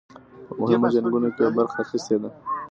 په مهمو جنګونو کې یې برخه اخیستې ده.